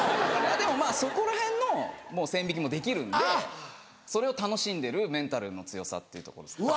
でもまぁそこらへんの線引きもできるんでそれを楽しんでるメンタルの強さっていうとこですかね。